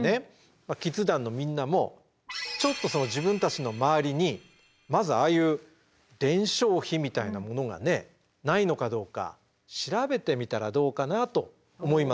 キッズ団のみんなも自分たちの周りにまずああいう伝承碑みたいなものがねないのかどうか調べてみたらどうかなと思います。